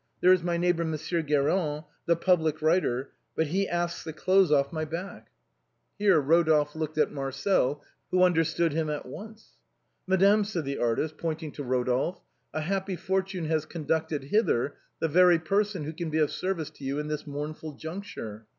There is my neighbor Monsieur Guérin, the public writer, but he asks the clothes off my back." Here Eodolphe darted a look at Marcel, who understood him at once. "Madame," said the artist, pointing to Eodolphe, " happy fortune has conducted hither the very person who can be of service to you in this mournful juncture.